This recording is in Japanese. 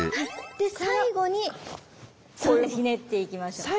で最後にひねっていきましょう。